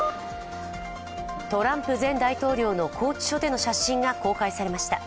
トランプ前大統領の拘置所での写真が公開されました。